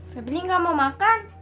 febley gak mau makan